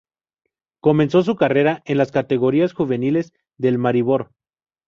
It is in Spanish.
Comenzó su carrera en las categorías juveniles del Maribor.